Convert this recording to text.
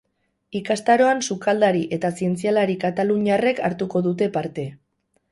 Ikastaroan sukaldari eta zientzialari kataluniarrek hartuko dute parte.